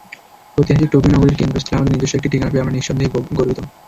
ঐতিহাসিক টোকিও নগরীর কেন্দ্রস্থলে আমাদের নিজস্ব একটি ঠিকানা পেয়ে আমরা নিঃসন্দেহে গর্বিত।